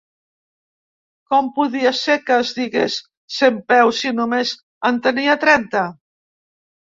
Com podia ser que es digués centpeus si només en tenia trenta?